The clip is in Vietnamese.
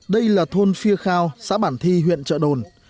đây là thôn phia khao xã bản thi huyện trợ đồn